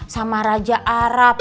sama raja arab